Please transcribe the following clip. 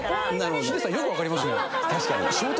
ヒデさん、よく分かりますね。